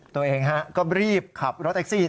ตัวเองก็รีบขับรถแท็กซี่